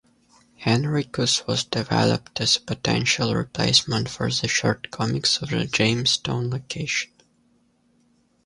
Henricus was developed as a potential replacement for the shortcomings of the Jamestown location.